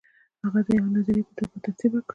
هغه دا د یوې نظریې په توګه ترتیب کړه.